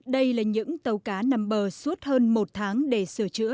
đây là những tàu cá nằm bờ suốt hơn một tháng để sửa chữa